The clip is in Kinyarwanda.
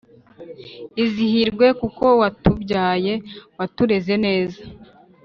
izihirwe kuko watubyaye ,watureze neza